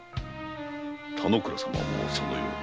田之倉様もそのように？